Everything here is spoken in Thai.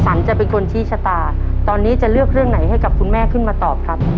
จะเป็นคนชี้ชะตาตอนนี้จะเลือกเรื่องไหนให้กับคุณแม่ขึ้นมาตอบครับ